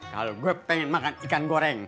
kalau gue pengen makan ikan goreng